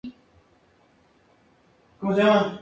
Sus letras solían hablar de mitología y temáticas medievales.